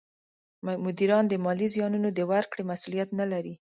مدیران د مالي زیانونو د ورکړې مسولیت نه لري.